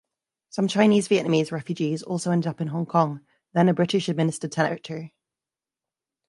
Some Chinese Vietnamese refugees also ended up in Hong Kong, then a British-administered territory.